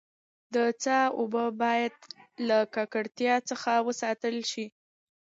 د څاه اوبه باید له ککړتیا څخه وساتل سي.